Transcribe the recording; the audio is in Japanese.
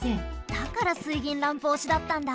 だから水銀ランプおしだったんだ。